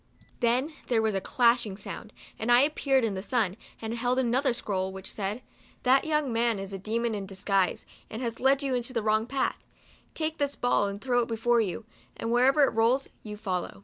Then there was a clashing sound, and I appeared in the sun, and held another scroll, which said, " That young man is a demon disguised, and has led you into the wrong path. Take this ball and throw it before you, and wher ever it rolls, you follow."